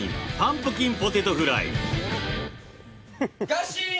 ガシーン？